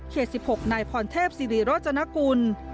เขตสิบหกในพรเทพศรีรจนกุล